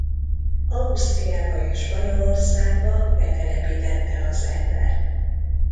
Ausztriába és Spanyolországba betelepítette az ember.